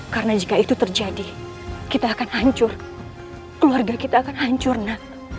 karena jika itu terjadi kita akan hancur keluarga kita akan hancur nak